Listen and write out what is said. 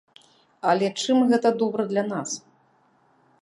Але чым гэта добра для нас?